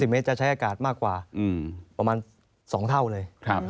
เมตรจะใช้อากาศมากกว่าประมาณ๒เท่าเลย